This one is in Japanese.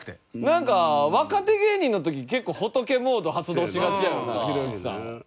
なんか若手芸人の時結構仏モード発動しがちやなひろゆきさん。